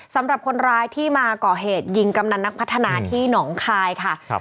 สำหรับคนร้ายที่มาก่อเหตุยิงกำนันนักพัฒนาที่หนองคายค่ะครับ